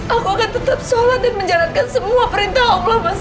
aku akan tetap sholat dan menjalankan semua perintah allah mas